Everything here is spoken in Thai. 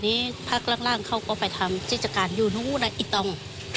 นี่พักร่างเขาก็ไปทำกิจการอยู่นู้นนะอีต้อง